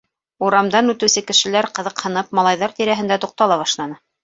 Урамдан үтеүсе кешеләр ҡыҙыҡһынып малайҙар тирәһендә туҡтала башланы.